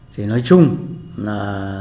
thì nói chung là